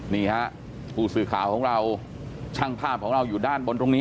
นี่ฮะผู้สื่อข่าวของเราช่างภาพของเราอยู่ด้านบนตรงนี้